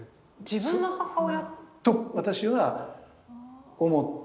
自分の母親？と私は思って。